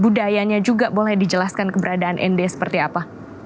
bapak jafar haji ahmad juga boleh dijelaskan keberadaan nd seperti apa